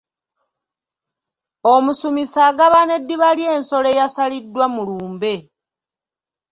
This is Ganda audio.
Omusumisi agabana eddiba ly'ensolo eyasaliddwa mu lumbe.